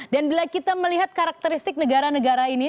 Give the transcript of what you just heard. dan bila kita melihat karakteristik negara negara ini